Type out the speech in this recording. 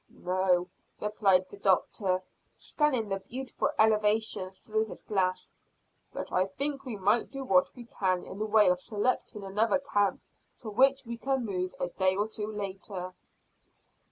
"No," replied the doctor, scanning the beautiful elevation through his glass, "but I think we might do what we can in the way of selecting another camp to which we can move a day or two later."